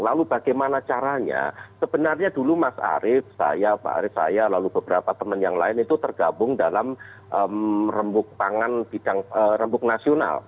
karena bagaimana caranya sebenarnya dulu mas arief saya pak arief saya lalu beberapa teman yang lain itu tergabung dalam rembuk pangan di rembuk nasional